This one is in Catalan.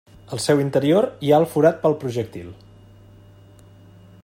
Al seu interior hi ha el forat pel projectil.